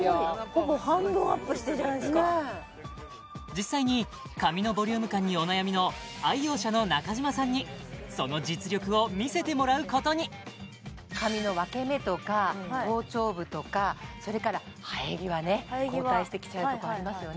ほぼ半分アップしてるじゃないですか実際に髪のボリューム感にお悩みの愛用者の中島さんにその実力を見せてもらうことに髪の分け目とか頭頂部とかそれから生え際ね後退してきちゃうとこありますよね